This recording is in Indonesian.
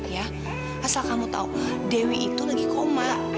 ya asal kamu tau dewi itu lagi koma